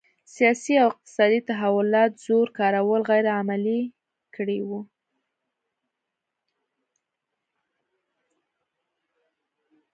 سیاسي او اقتصادي تحولات زور کارول غیر عملي کړي وو.